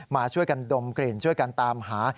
มาช่วยกันดมกลิ่นช่วยกันตามหา